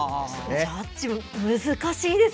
ジャッジも難しいですね。